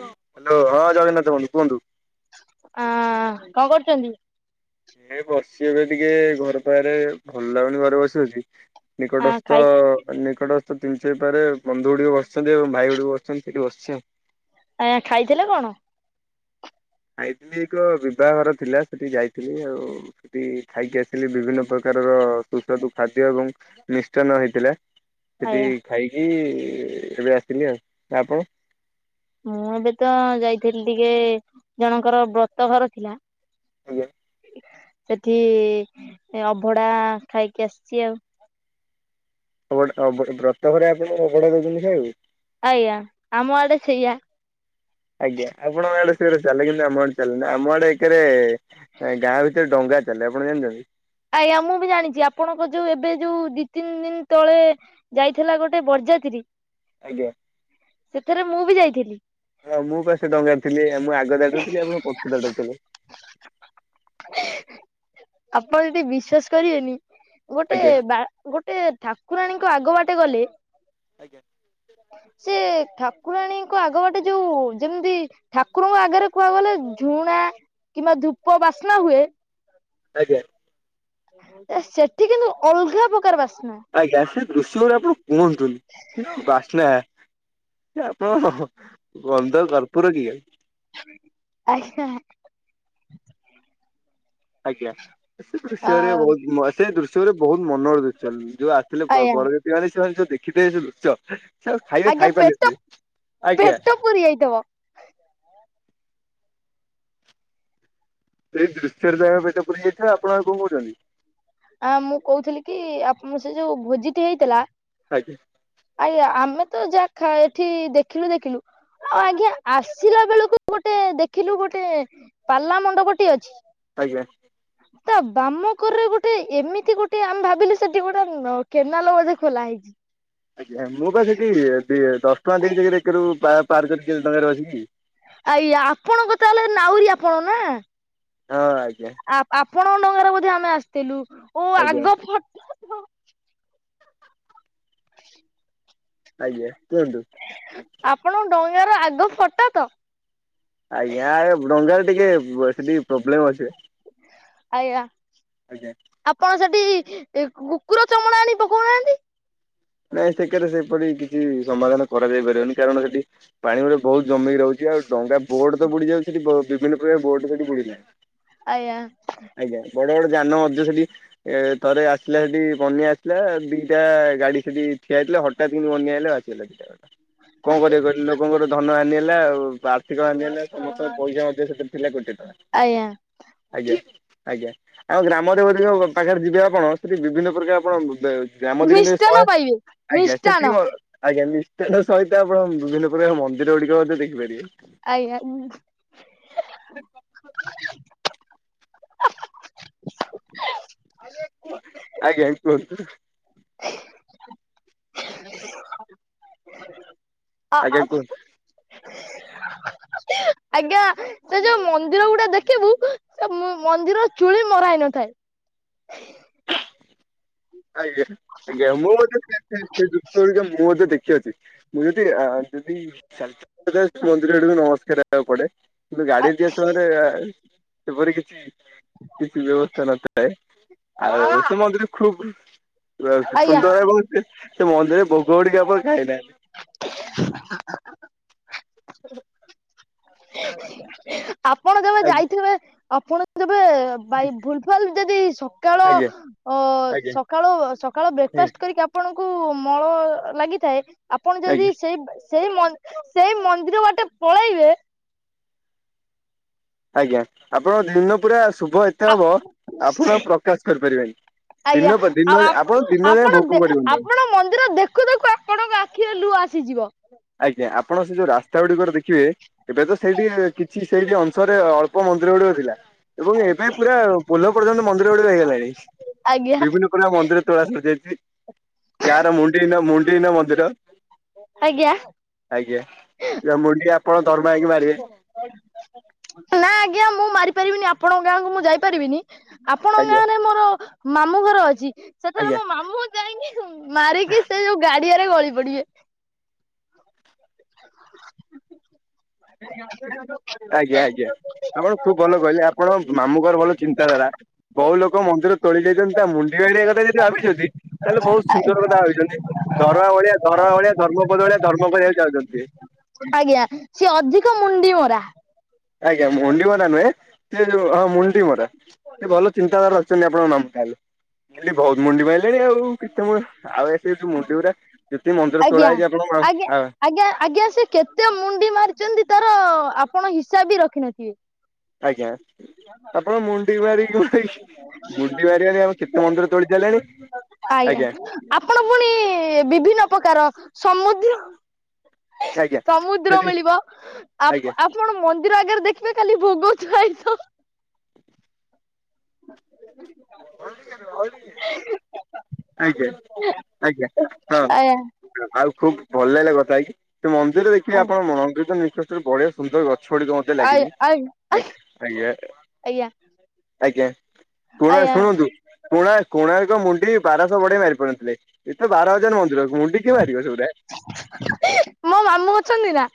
Hello ହଁ ଜଗନ୍ନାଥ ବନ୍ଧୁ କୁହନ୍ତୁ। ଆଁ କଣ କରୁଚନ୍ତି? ଏଇ ବସିଚି ଏବେ ଟିକେ ଘର ପାଖରେ ଭଲ ଲାଗୁନି ଘରେ ବସି ବସି। ଆ ନିକଟସ୍ଥ ଖାଇ ନିକଟସ୍ଥ ତିନି ଚାରି ପାରେ ବନ୍ଧୁ ଗୁଡିକ ବସିଚନ୍ତି ଏବଂ ଭାଇ ଗୁଡିକ ବସିଚ ଏଇଟି ବସିଚି ଆଉ। ଆଁ ଖାଇଥିଲେ କଣ? ଖାଇଥିଲି ଏକ ବିଭାଘର ଥିଲା ସେଠି ଯାଇଥିଲି ଆଉ ସେଠି ଖାଇକି ଆସିଲି ବିଭିନ୍ନ ପ୍ରକାରର ସୁସ୍ୱାଦୁ ଖାଦ୍ୟ ଏବଂ ମିଷ୍ଟାନ ହେଇଥିଲା, ସେଠି ଆଜ୍ଞା ଖାଇକି-ଇ ଏବେ ଆସିଲି ଆଉ। ନା, ଆପଣ? ମୁଁ, ଏବେ ତ ଯାଇଥିଲି ଟିକେ ଜଣଙ୍କର ବ୍ରତଘର ଥିଲା। ଆୟା, ସେଠି ଅଭଡାଁ ଖାଇକି ଆସିଛି ଆଉ। ଅବଡ଼ା ଅବ ବ୍ରତ ଘରେ ଆପଣ ଅଭଡା ଦଉଛନ୍ତି ଖାଇଆକୁ? ଆଜ୍ଞା! ଆମ ଆଡେ ସେଇଆ। ଆଜ୍ଞା, ଆପଣଙ୍କ ଆଡେ ସେରା ଚାଲେ, କିନ୍ତୁ ଆମ ଆଡେ ଚାଲେନି। ଆମ ଆଡେ ଏକେରେ ନାଇଁ ଗାଁ ଭିତରେ ଡଙ୍ଗା ଚାଲେ, ଆପଣ ଜାଣିଛନ୍ତି? ଆୟାଁ, ମୁଁ ବି ଜାଣିଛି ଆପଣଙ୍କ ଯୋଉ, ଏବେ ଯୋଉ ଦି ତିନି ଦିନ ତଳେ ଯାଇଥିଲା ଗୋଟେ ବରଯାତ୍ରୀ, ଆଜ୍ଞା ସେଥିରେ ମୁଁ ବି ଯାଇଥିଲି। ହଁ, ମୁଁ ପା ସେ ଡଙ୍ଗାରେ ଥିଲି, ଆଉ ମୁଁ ଆଗ ଧାଡ଼ିରେ ଥିଲି, ଆପଣ ପଛ ଧାଡ଼ିରେ ଥିଲେ। ଆପଣ ଯଦି ବିଶ୍ଵାସ କରିବେନି! ଗୋଟେ ଆଜ୍ଞା ବା, ଗୋଟେ ଠାକୁରାଣୀଙ୍କ ଆଗ ବାଟେ ଗଲେ ସେ ଠାକ୍ ଠାକୁରାଣୀଙ୍କ ଆଗ ବାଟେ ଯୋଉ, ଯେମିତି ଠାକୁରଙ୍କ ଆଗ୍ ଆଗରେ କୁହା ଗଲେ ଝୁଣା କିମ୍ବା ଧୂପ ବାସ୍ନା ହୁଏ। ଆଜ୍ଞା। ସେଠି କିନ୍ତୁ ଅଲଘା ପ୍ରକାର ବାସ୍ନା। ଆଜ୍ଞା, ସେ ଦୃଶ୍ୟ ଗୁରା ଆପଣ କୁହନ୍ତୁନି! ସେ ଯଉ ବାସ୍ନା! କି ଆପଣ ହଃ ହଃ କନ୍ଧ କର୍ପୁର କିଏ? ଆଜ୍ଞା। ଆଜ୍ଞା, ସେ ଦୃଶ୍ୟରେ ବହୁତ ସେ ଦୃଶ୍ୟରେ ବହୁତ ମନର ଦୃଶ୍ୟ ଯୋଉ ଆ ଥିଲେ ଆଜ୍ଞା ବ-ବରଯାତି ମାନେ ସେମାନେ ସବୁ ଦେଖିଥିବେ ଯଉ ଦୃଶ୍ୟ ସେ ଆଉ ଖାଇବା ଆଜ୍ଞା ପେଟ ଖାଇପାରିନଥିବେ। ଆଜ୍ଞା। ପେଟ ପୁରି ଆଇଥିବ। ସେଇ ଦୃଶ୍ୟରେ, ତାଙ୍କ ପେଟ ପୁରି ଯାଇଥିବ ଆପଣ ଆଉ କଣ କହୁଛନ୍ତି? ଆଁ ମୁଁ କହୁଥିଲି କି, ଆପ୍ ମୁଁ ସେ ଯୋଉ ଭୋଜିଟେ ହେଇଥିଲା ଆଜ୍ଞା। ଆୟା, ଆମେ ତ ଯାହା ଖା ଏଠି ଦେଖିଲୁ ଦେଖିଲୁ ଆ ଆଗ୍ ଜ୍ଞା, ଆସିଲା ବେଳକୁ ଗୋଟେ ଦେଖିଲୁ ଗୋଟେଁ ପାଲା ମଣ୍ଡପ ଟିଏ ଅଛି। ଆଜ୍ଞା। ତା, ବାମକରେ ଗୋଟ୍ ଏମିତି ଗୋଟେ ଆମେ ଭାବିଲୁ ସେଠି ଗୋଟେ, କେନାଲ ବୋଧେ ଖୋଲା ହେଇଛି। ଆଜ୍ଞା, ମୁଁ ବା ସେଠି ଦି ଦଶ ଟଙ୍କା ଦେଇକି ଏକରୁ ପାର୍ କରିକି ଡଙ୍ଗାରେ ବସିକି ଆୟା, ଆପଣଙ୍କ ତା, ହେଲେ ନାଉରୀ ଆପଣ ନା? ହଁ, ଆଜ୍ଞା। ଆ, ଆପଣଙ୍କ ଡଙ୍ଗାରେ ବୋଧେ ଆମେ ଆସିଥିଲୁ ଓ ଆଜ୍ଞା ଆଗ ଫଟ [inaudible] ଆଜ୍ଞା, କୁହନ୍ତୁ। ଆପଣ, ଡ଼ଙ୍ଗାର ର ଆଗ ଫଟ ତ? ଆଜ୍ଞା, ଏ ଡଙ୍ଗାରେ ଟିକେ ସେଠି ଟିକେ ପ୍ରୋବ୍ଲେମ୍ ଅଛି। ଆଜ୍ଞା, ଆଜ୍ଞା। ଆପଣ ସେଠି କୁକୁର ଚମଣା ଆଣି ପକଉନାହାଁନ୍ତି? ନାଇଁ ସେକେରେ, ସେପରି କିଛି ସମାଧାନ କରାଯାଇ ପାରିବନି। କାରଣ ସେଠି ପାଣି ଗୋଟେ ବହୁତ ଜମେଇ ରହୁଛି। ଆଉ ଡଙ୍ଗା ବୋର୍ଡ ତ ବୁଡି ଯାଉ ସେଠି, ବିଭିନ୍ନ ପ୍ରକାର ବୋର୍ଡ ସେଠି ବୁଡି ଲାଇଁ। ଆୟାଁ। ଆଜ୍ଞା, ବଡ ବଡ ଯାନ ମଧ୍ୟ ସେଠି ଏ ଥରେ ଆସିଲା ହେଠି ବନ୍ୟା ଆସିଲା, ଦିଟା ଗାଡି ସେଠି ଠିଆ ହେଇଥିଲା, ହଠତ୍ କିନି ବନ୍ୟା ଆଇଲା। [inaudible] କଣ କରିବା କହିଲୁ, ଲୋକଙ୍କର ଧନ ହାନି ହେଲା ଆଉ ପା ସେ କ ଏମିତି ହେଲେ ସମସ୍ତଙ୍କ ପଇସା ଅଧିକ ସେଠ ଥିଲେ କୋଟିଏ ଟଙ୍କା, ଆଜ୍ଞା। ଆଜ୍ଞା ଆଜ୍ଞା। ଆଉ ଗ୍ରାମରେ ବୋଧେ ଯୋଉ ପାଖରେ ଯିବେ ଆପଣ ସେଠି ବିଭିନ୍ନ ପ୍ରକାର ଆପଣ ଗ୍ରାମ ଦେବୀ ଶହେ ହେଉ ଆଜ୍ଞା ସେଠି ମିଷ୍ଟାନ ଆଜ୍ଞା ନିଷ୍ଟାର ସହିତ ଆପଣ ବିଭିନ୍ନ ପ୍ରକାର ମନ୍ଦିର ଗୁଡିକ ମଧ୍ୟ ଦେଖିପାରିବେ। ଆଜ୍ଞା। [inaudible] ଆଜ୍ଞା କୁହନ୍ତୁ? ଆ ଆଜ୍ଞା ଆ କୁହନ୍ତୁ [inaudible] ଆଜ୍ଞା ସେ ଯୋଉ ମନ୍ଦିର ଗୁଡା ଦେଖିବୁ ସେ ମ ମନ୍ଦିର ଚୁଳି ମରା ହେଇନଥାଏ। ଆଜ୍ଞା ଆଜ୍ଞା ମୁଁ ମଧ୍ୟ ସେ ସେ ସେ ଦୃଶ୍ୟଗୁଡ଼ିକ ମୁ ମଧ୍ୟ ଦେଖି ଆସିଛି। ମୁଁ ଯଦି ଆ ଯଦି ଚା [unintelligible] ମନ୍ଦିର ଆଡକୁ ନମସ୍କାର ହେବାକୁ ପଡେ କିନ୍ତୁ ଗାଡି ଦିଆ ସଙ୍ଗରେ [unintelligible] ସେପରି କିଛି କିଛି ବ୍ୟବସ୍ଥା ନଥାଏ ଆଉ ସେ ମନ୍ଦିର ଖୁବ ଆଜ୍ଞା। ସୁନ୍ଦର ଏବଂ ସେ ସେ ମନ୍ଦିରରେ ଭୋଗ ଗୁଡିକ ଆପଣ ଖାଇନାହାନ୍ତି। [inaudible] ଆପଣ ଯେବେ ଆଜ୍ଞା ଯାଇଥିବେ ଆପଣ ତେବେ ଭାଇ ଭୁଲ ଭାଲ ଯଦି ସକାଳ ଆଜ୍ଞା ଅ ଆଜ୍ଞା ସକାଳ ସକାଳ ବ୍ରେକ୍ଫାଷ୍ଟ କରିକି ଆପଣଙ୍କୁ ମଳ ଲାଗିଥାଏ ଆପଣ ଯଦି ଆଜ୍ଞା ସେଇ ସେଇ ମ ସେଇ ମନ୍ଦିର ବାଟେ ପଳେଇବେ ଆଜ୍ଞା ଆପଣଙ୍କ ଦିନ ପୁରା ଶୁଭ ଏତେ ଆ ହବ ଆପଣ ପ୍ରକାଶ କରିପାରିବେନି। ଦିନ ଆଜ୍ଞା ଦିନ ଆଉ ଆପ ଆପଣ ଦିନ ଯାଏ ଆପଣ ଭୋଗ ଦେ କରିବେନି ଆଉ ଆପଣ ମନ୍ଦିର ଦେଖୁ ଦେଖୁକା ଆପଣଙ୍କ ଆଖିରେ ଲୁହ ଆସିଯିବ। ଆଜ୍ଞା ଆପଣ ସେ ଯୋଉ ରାସ୍ତା ଗୁଡିକରେ ଦେଖିବେ ଏବେ ତ ସେଇଠି କିଛି ସେଇଠି ଅଂଶରେ ଅଳ୍ ମନ୍ଦିର ଗୁଡିକ ଥିଲା ଏବଂ ଏବେ ପୁରା ପୋଲ ପର୍ଯ୍ୟନ୍ତ ମନ୍ଦିର ଗୁଡିକ ହେଇଗଲାଣି ଆଜ୍ଞା ବିଭିନ୍ନ ପୁରା ମନ୍ଦିର ତୋଳା ସରିଯାଇଛି ଯାହାର ମୁଣ୍ଡିହୀନ ମୁଣ୍ଡିହୀନ ମନ୍ଦିର ଆଜ୍ଞା। ଆଜ୍ଞା ଯା ମୁଣ୍ଡି ଆପଣ ଧର୍ମା ହେଇକି ମାରିବେ। ନା ଆଜ୍ଞା ମୁଁ ମାରିପାରିବିନି ଆପଣଙ୍କ ଗାଁକୁ ମୁଁ ଯାଇପାରିବିନି ଆପଣ ଆଜ୍ଞା। ମୋର ମାମୁଁ ଘର ଅଛି ସେଥିରେ ଆଜ୍ଞା ମୋ ମାମୁଁ ଯାଇକି ମାରିକି ସେ ଯୋଉ ଗାଡିଆରେ ଗଳି ପଡିବେ। [inaudible] ଆଜ୍ଞା ଆଜ୍ଞା ଆପଣ ଖୁବ ଭଲ କହିଲେ ଆପଣ ମାମୁଙ୍କର ଭଲ ଚିନ୍ତାଧାରା। ବହୁ ଲୋକ ମନ୍ଦିର ତୋଳି ଯାଇଛନ୍ତି ତା ମୁଣ୍ଡି ମାରିବା କଥା ଯଦି ଭାବିଛନ୍ତି ତାହେଲେ ବହୁତ ସୁନ୍ଦର କଥା ଭାବିଛନ୍ତି। ଧରମା ଭଳିଆ ଧରମା ଭଳିଆ ଧର୍ମପଦ ଭଳିଆ ଧର୍ମ କରିବାକୁ ଜାଉଛନ୍ତି ସିଏ। ଆଜ୍ଞା ସିଏ ଅଧିକ ମୁଣ୍ଡି ମରା। ଆଜ୍ଞା ମୁଣ୍ଡି ମରା ନୁହେଁ ସେ ଯୋଉ ହଁ ମୁଣ୍ଡି ମରା। ସେ ଭଲ ଚିନ୍ତାଧାର ଅଛନ୍ତି ଆପଙ୍କ ମାମୁଁ ତାହାଲେ। ଖାଲି ବହୁତ ମୁଣ୍ଡି ମାଇଲେଣି ଆଉ କେତେ ମୂ ଆଉ ଏ ସେ ଯଉ ମୁଣ୍ଡି ଉରା ଯେତିକି ମନ୍ଦି ଆଜ୍ଞା ଆଜ୍ଞା ଆଜ୍ଞା ଆଜ୍ଞା ସେ କେତେ ମୁଣ୍ଡି ମାରିଛନ୍ତି ତାର ଆପଣ ହିସାବ ବି ରଖିିନଥିବେ? ଆଜ୍ଞା। ଆପଣ ମୁଣ୍ଡି ମାରିକି ପୁରା ଇ ମୁଣ୍ଡି ମାରି ମାରି ଆଉ କେତେ ମନ୍ଦିର ତୋଳି ସାଇଲେଣି। ଆଜ୍ଞା ଆପଣ ପୁଣି ବିଭିନ୍ନ ପ୍ରକାର ସମୁଦ୍ର ଆଜ୍ଞା ସମୁଦ୍ର ସେଠି ମିଳିବ ଆ ଆଜ୍ଞା। ଆପଣ ମ ମନ୍ଦିର ଆଗରେ ଦେଖିବେ ଖାଲି ଭୋଗ ଥୁଆ ହୋଇଥିବ। [unintelligible] ଆଜ୍ଞା ଆଜ୍ଞା ଆଜ୍ଞା ହଁ। ଆଉ ଖୁବ ଭଲ ଲାଗିଲା କଥା ହେଇକି ସେ ମନ୍ଦିରରେ ଦେଖିବେ ଆପଣ ମନ୍ଦିର ତ ନିଶ ବଢିଆ ସୁନ୍ଦର ଗଛ ଗୁଡିକ ମତେ ଲାଗିଛି ଆଜ୍ଞା ଆଜ୍ଞା ଆଜ୍ଞା ଆଜ୍ଞା। ଆଜ୍ଞା। ଆଜ୍ଞା [unintelligible] ର୍ ଆଜ୍ଞା। ଶୁଣନ୍ତୁ କୋଣାର୍ କୋଣାର୍କ ମୁଣ୍ଡି ବାରଶହ ବଢେଇ ମାରି ପାରୁନଥିଲେ ଏତେ ବାର ହଜାର ମନ୍ଦିର ମୁଣ୍ଡି କିଏ ମାରିବ ସେଗୁଡା ମୋ ମାମୁଁ ଅଛନ୍ତି ନା?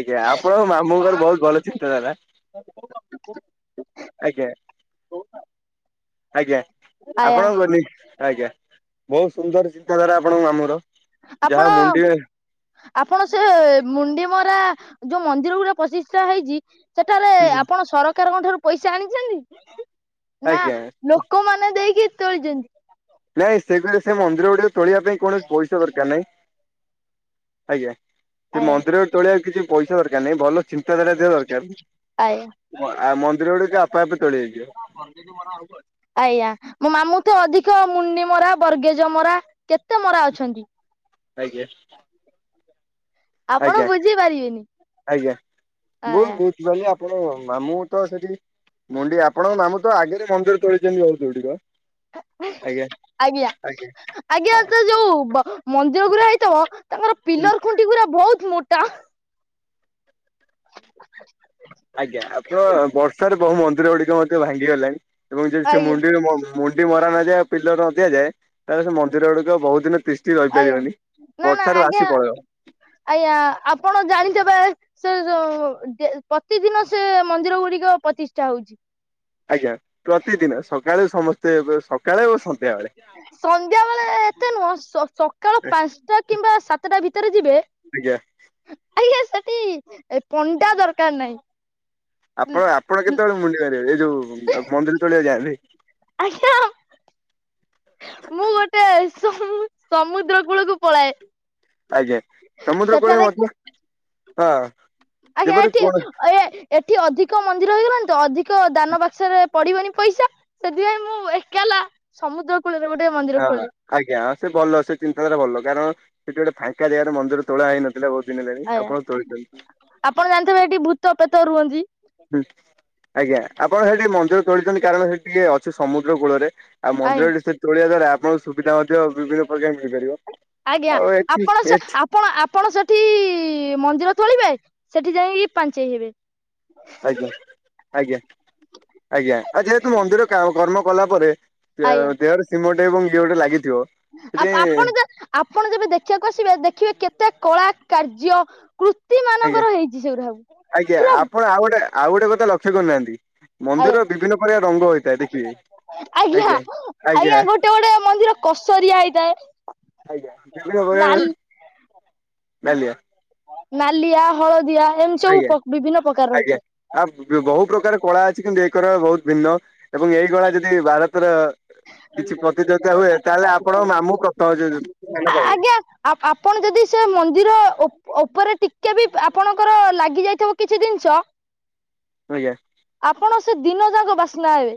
ଆଜ୍ଞା ଆପଣଙ୍କ ମାମୁଁଙ୍କର ବହୁତ ଭଲ ଚିନ୍ତାଧାରା। [unintelligible] ଆଜ୍ଞା। ଆଜ୍ଞା ଆୟା ଆପଣ କହନି ଆଜ୍ଞା। ବହୁତ ସୁନ୍ଦର ଚିନ୍ତାଧାରା ଆପଣଙ୍କ ମାମୁଁ ର ଆପଣ ଯାହା ମୁଣ୍ଡି ଆପଣ ସେ ମୁଣ୍ଡିମରା ଯୋଉ ମନ୍ଦିର ଗୁଡା ପ୍ରତିଷ୍ଠା ହେଇଛି ସେଠାରେ [unintelligible] ଆପଣ ସରକାରଙ୍କ ଠାରୁ ପଇସା ଆଣିଛନ୍ତି? ନା ଆଜ୍ଞା ଲୋକମାନେ ଦେଇକି ତୋଳିଛନ୍ତି। ନାଇଁ ସେପାଇଁ ସେ ମନ୍ଦିର ଗୁଡିକ ତୋଳିବା ପାଇଁ କୌଣସି ପଇସା ଦରକାର ନାହିଁ ଆଜ୍ଞା। ସେ ଆୟା ମନ୍ଦିର ତୋଳିଆକୁ କିଛି ପଇସା ଦରକାର ନାହିଁ ଭଲ ଚିନ୍ତାଧାରା ଥିବା ଦରକାର। ଆୟା [unintelligible] ମନ୍ଦିର ଗୁଡିକ ଆପେ ଆପେ ତୋଳି ହୋଇଯିବ। ଆଜ୍ଞା ମୋ ମାମୁଁ ତ ଅଧିକ ମୁଣ୍ଡି ମରା ବରଗେଜ ମରା କେତେ ମରା ଅଛନ୍ତି। ଆଜ୍ଞା। ଆପଣ ଆଜ୍ଞା ବୁଝି ପାରିବେନି ଆଜ୍ଞା ଆୟା ବହୁତ ବହୁତ। ମୁଁ କହିଲେ ଆପଣ ମାମୁଁ ତ ସେଠି ମୁଣ୍ଡି ଆପଣଙ୍କ ମାମୁ ତ ଆଗରେ ମନ୍ଦିର ତଳିଛନ୍ତି ବୋହୁତ ଗୁଡ଼ିକ। ଆଜ୍ଞା। ଆଜ୍ଞା ତ ଯୋଉ ମନ୍ଦିର ଗୁରା ହେଇଥିବ ତାଙ୍କର ହୁଁ। ପିଲର ଖୁଣି ଟି ପୁରା ବହୁତ ମୋଟା। ଆଜ୍ଞା ଆପଣଙ୍କର ବର୍ଷାରେ ବହୁ ମନ୍ଦିର ଗୁଡିକ ମଧ୍ୟ ଭାଙ୍ଗିଗଲାଣି। ଏବଂ ଯଦି ସେ ଆଜ୍ଞା ମୁଣ୍ଡିରୁ ମୁଣ୍ଡି ମ ମାରା ନଯାଏ ପିଲ ନ ଦିଆଯାଏ ତାହେଲେ ସେ ମନ୍ଦିର ଗୁଡିକ ବହୁତ ଦିନ ତିସ୍ କି ଆଜ୍ଞା ରହିପାରିବନି ନା ନା ବର୍ଷାରୁ ଆଜ୍ଞା ଭାସି ପଳେଇବ। ଆଜ୍ଞା ଆପଣ ଜାଣିଥିବେ। ସେ ଯଉ ଡେ ପ୍ରତିଦିନ ସେ ମନ୍ଦିର ଗୁଡିକ ପ୍ରତିଷ୍ଠା ହଉଛି। ଆଜ୍ଞା ପ୍ରତିଦିନ ସକାଳେ ସମସ୍ତେ ସକାଳେ ଓ ସନ୍ଧ୍ୟାବେଳେ। ସନ୍ଧ୍ୟା ବେଳେ ଏତେ ନୁହଁ ସ-ସକାଳ ପାଞ୍ଚଟା କିମ୍ବା ସାତଟା ଭିତରେ ଯିବେ ଆଜ୍ଞା। ଆଜ୍ଞା ସେଠି ପଣ୍ଡା ଦରକାର ନାହିଁ। ଆପଣ ଆପଣ କେତେବେଳେ ମୁଣ୍ଡି ମାରିବେ ଏଇ ଯୋଉ ମନ୍ଦିର ତୋଳିବାକୁ ଯାଆନ୍ତି? ଆଜ୍ଞା ମୁଁ ଗୋଟେ ସମ ସମୁଦ୍ର କୂଳକୁ ପଳାଏ ଆଜ୍ଞା ସମୁଦ୍ର କୂଳ ସେଠାରେ ମଧ୍ୟ ହଁ ଆଜ୍ଞା ଯେପରି ଏଠି କଣ ଏ ଏଠି ଅଧିକ ମନ୍ଦିର ହେଇଗଲାଣି ତ ଅଧିକ ଦାନ ବାକ୍ସରେ ପଡିବନି ପଇସା ସେଥିପାଇଁ ମୁଁ ଏକାଲା ସମୁଦ୍ର କୋଳରେ ଗୋଟେ ମନ୍ଦିର ହଁ ଖୋଳି ଆଜ୍ଞା ସେ ଭଲ ସେ ଚିନ୍ତାଧାରା ଭଲ କାରଣ ସେଠି ଗୋଟେ ଫାଙ୍କା ଜାଗା ରେ ମନ୍ଦିରେ ତୋଳା ହେଇନଥିଲା। ବହୁ ଦିନ ହେଲେଣି ଆଜ୍ଞା ଆପଣ ତୋଳିଦିଅନ୍ତି। ଆପଣ ଜାଣିଥିବେ ଏଠି ଭୂତ ପେତ ରୁହନ୍ତି। ହୁଁ ଆଜ୍ଞା ଆପଣ ସେଠି ମନ୍ଦିର ତୋଳିଛନ୍ତି କାରଣ ସେ ଟିକେ ଅଛି ସମୁଦ୍ର କୂଳରେ ଆଉ ଆଜ୍ଞା ମନ୍ଦିର ସେ ତୋଳିବା ଦ୍ଵାରା ଆପଣଙ୍କୁ ସୁବିଧା ମଧ୍ୟ ବିଭିନ୍ନ ପ୍ରକାର ମିଳିପାରିବ। ଆଜ୍ଞା ଆଉ ଏଠି ଆପଣ ସେ ଏଠି ଆପ ଆପଣ ଆପଣ ସେଠି ମନ୍ଦିର ତୋଳିବେ ସେଠି ଯାଇକି ପାଞ୍ଚେଇ ହେବେ? ଆଜ୍ଞା ଆଜ୍ଞା। ଆଜ୍ଞା ଆଉ ଯେହେତୁ ମନ୍ଦିରରେ କା କର୍ମ କଲା ପରେ ଆଜ୍ଞା ଦେହରେ ସିମୋ ଟେ ଏବଂ ଇଅ ଗୋଟେ ଲାଗିଥିବ। ଆପ ସେଥିପାଇଁ ଆପଣ ଆପଣ ଯେବେ ଦେଖିବାକୁ ଆସିବେ ଦେଖିବେ କେତେ କଳା କାର୍ଯ୍ୟ କୃ ତି ମାନଙ୍କର ହେଇଛି ସେଗୁରା ସବୁ ପୁରା ସୁଣ ଆଉ ଗୋଟେ। ଆଉ ଗୋଟେ କଥା ଲକ୍ଷ୍ୟ କରିନାହାନ୍ତି ଆଜ୍ଞା ମନ୍ଦିର ବିଭିନ୍ନ ପ୍ରକାର ରଙ୍ଗ ହୋଇଥାଏ ଦେଖିବେ। ଆଜ୍ଞା ଆଜ୍ଞା ଗୋଟେ ଗୋଟେ ମନ୍ଦିର କସରିଆ ହେଇଥାଏ। ଆଜ୍ଞା ବିଭିନ୍ନ ପ୍ରକାରେ ନାଲି ନାଲିଆ। ନାଲିଆ, ହଳଦିଆ। ଏମିତି ସବୁ ଆଜ୍ଞା ବିଭିନ୍ନ ପ୍ରକାର ଆଜ୍ଞା ରହିଥାଏ ଆପ ଯୋଉ ବହୁ ପ୍ରକାର କଳା ଅଛି କିନ୍ତୁ ଏଇ କଳା ବହୁତ ଭିନ୍ନ ଏବଂ ଏଇ କଳା ଯଦି ଭାରତର। କିଛି ପ୍ରତି ଯୋଗିତା ହୁଏ ତାହେଲେ ଆପଣ ମାମୁଁ ପ୍ରଥ ଯ ଯୋଉ ସ୍ଥାନ ପାଇବେ। ଆପ୍ ଆପଣ ଯଦି ସେ ମନ୍ଦିର ଓପ ଓପରେ ଟିକେ ବି ଆପଣଙ୍କର ଲାଗି ଯାଇଥିବ କିଛି ଜିନିଷ ଆଜ୍ଞା। ଆପଣ ସେ ଦିନ ଯାକ ବାସ୍ନା ହେବେ।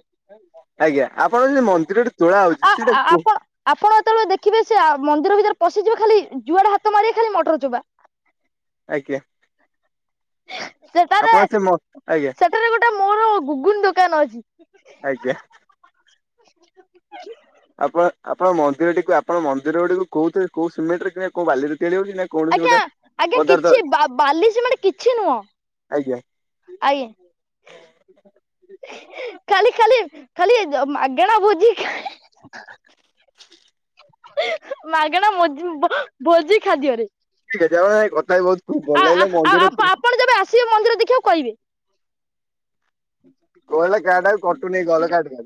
ଆଜ୍ଞା ଆପଣର ସେ ଯୋଉ ମନ୍ଦିର ଟି ତୋଳା ଆ ହଉଛି ସେଇଟା କ ଆପଣ ଆପଣ ଯେତେବେଳେ ଦେଖିବେ ସେ ଆ ମନ୍ଦିର ଭିତରେ ପଶିଯିବେ ଖାଲି ଯୁଆଡେ ହାତ ମାରିବେ ଖାଲି ମଟର ଚୋପା। ଆଜ୍ଞା ସେଠାରେ ଆପଣ ସେ ମ ଆଜ୍ଞା ସେଠାରେ ଗୋଟେ ମୋର ଗୁଗୁନି ଦୋକାନ ଅଛି। ଆଜ୍ଞା [inaudible] ଆପଣ ଆପଣ ମନ୍ଦିର ଟିକୁ ଆପଣ ମନ୍ଦିର ଗୁଡିକୁ କୋଉଥିରେ କୋଉ ସିମଣ୍ଟରେ କି କୋଉ ବାଲିରେ ତିଆରି ହଉଛି ନା କୌଣସି ଆଜ୍ଞା ଗୋଟେ ଆଜ୍ଞା ପଦାର୍ଥ କିଛି ଅଛି ବା ବାଲି ସିମେଟ୍ ମାନେ କିଛି ନୁହଁ। ଆଜ୍ଞା। ଆଜ୍ଞା। ଖାଲି ଖାଲି ଖାଲି ଯୋ ମାଗଣା ଭୋଜି ଖା ମାଗଣା ମ ଭୋଜି ଖାଦ୍ୟରେ। ଠିକ୍ ଯା ହାଉ କଥା ହେଇ ବହୁତ ଭଲ ଲାଗିଲା ମନ୍ଦିର ସିଏ ମନ୍ଦିର ଦେଖିବାକୁ କହିବେ। ହ ଉ ହେଲା କାଟ ଆଉ କଟୁନି କଲ କାଟ।